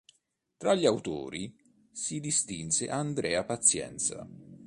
Tra gli autori si distinse Andrea Pazienza.